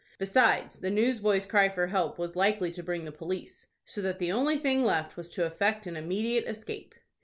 Besides, the newsboy's cry for help was likely to bring the police, so that the only thing left was to effect an immediate escape.